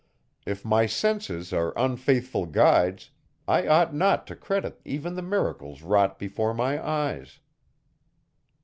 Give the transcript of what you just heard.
If my senses are unfaithful guides, I ought not to credit even the miracles wrought before my eyes.